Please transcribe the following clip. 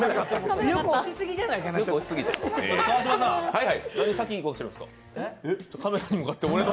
強く押しすぎじゃないかな。